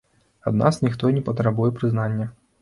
Ад нас ніхто і не патрабуе прызнання.